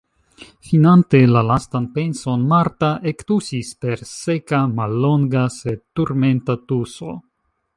Finante la lastan penson, Marta ektusis per seka, mallonga sed turmenta tuso.